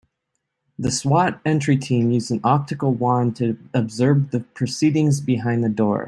The S.W.A.T. entry team used an optical wand to observe the proceedings behind the door.